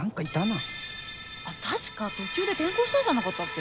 確か途中で転校したんじゃなかったっけ？